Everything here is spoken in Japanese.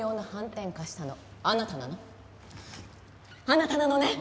あなたなのね！